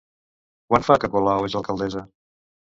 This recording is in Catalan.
Quant fa que Colau és alcaldessa?